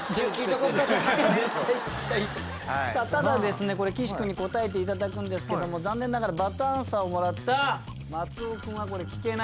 さぁただこれ岸君に答えていただくんですけども残念ながらバッドアンサーをもらった松尾君はこれ聞けない。